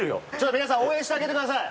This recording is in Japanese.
皆さん応援してあげてください！